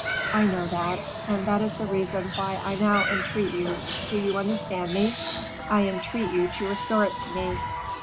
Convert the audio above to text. "I know that, and that is the reason why I now entreat you; do you understand me? I entreat you to restore it to me."